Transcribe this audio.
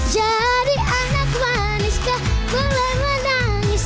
jadi anak manis gak boleh menangis